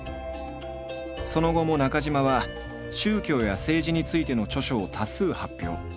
その後も中島は宗教や政治についての著書を多数発表。